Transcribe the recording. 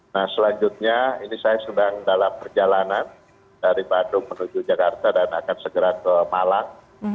nah selanjutnya ini saya sedang dalam perjalanan dari bandung menuju jakarta dan akan segera ke malang